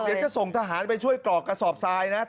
เดี๋ยวจะส่งทหารไปช่วยกรอกกระสอบทรายนะ